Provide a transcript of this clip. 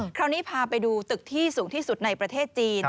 คราวนี้พาไปดูตึกที่สูงที่สุดในประเทศจีน